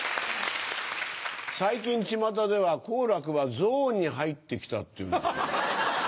最近ちまたでは好楽はゾーンに入って来たっていうんですよ。